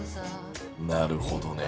なるほどね。